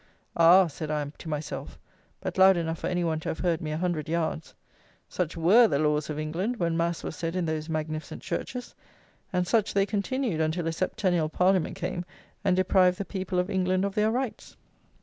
"Ah!" said I to myself, but loud enough for any one to have heard me a hundred yards, "such were the laws of England when mass was said in those magnificent churches, and such they continued until a septennial Parliament came and deprived the people of England of their rights."